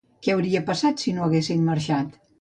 Què hauria passat, si no haguessin marxat?